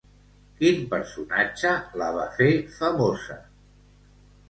Quin personatge la va fer famosa?